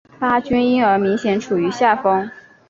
巴军因而明显处于下风。